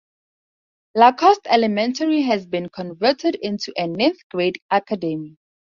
Lacoste Elementary has been converted into a Ninth Grade Academy.